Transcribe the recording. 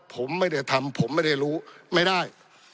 ผมไม่ได้ทำผมไม่ได้รู้ไม่ได้